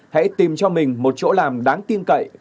hãy tìm cho mình một chỗ làm đáng tin cậy